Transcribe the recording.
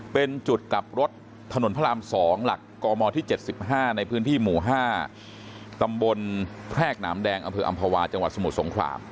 เป็นจุดกลับรถถนนพระราม๒หลักกมที่๗๕ในพื้นที่หมู่๕ตำบลแพรกหนามแดงอำเภออำภาวาจังหวัดสมุทรสงคราม